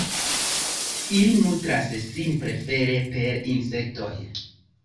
Ili nutras sin prefere per insektoj.